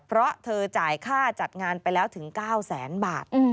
เพราะเธอจ่ายค่าจัดงานไปแล้วถึง๙แสนบาท